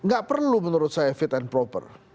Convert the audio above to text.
gak perlu menurut saya fit and proper